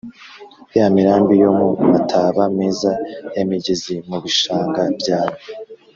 ya mirambi yo mu mataba meza, ya migezi mu bishanga byawe.